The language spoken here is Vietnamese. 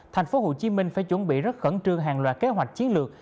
thành phố hồ chí minh phải chuẩn bị rất khẩn trương hàng loạt kế hoạch chiến lược